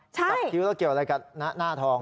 สักคิ้วเกี่ยวกับอะไรกับหน้าท้อง